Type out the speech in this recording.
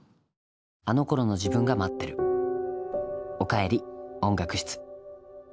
あのころの自分が待ってる「おかえり音楽室」。